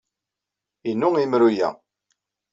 Inu yemru-a.